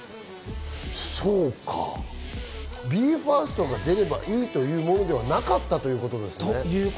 そうか、ＢＥ：ＦＩＲＳＴが出ればいいというものではなかったということですね。